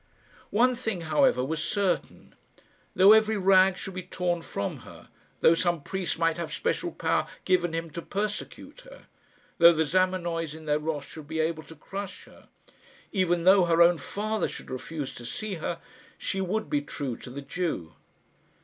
One thing, however, was certain. Though every rag should be torn from her though some priest might have special power given him to persecute her though the Zamenoys in their wrath should be able to crush her even though her own father should refuse to see her, she would be true to the Jew.